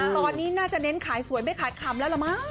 ตอนนี้น่าจะเน้นขายสวยไม่ขายคำแล้วล่ะมั้ง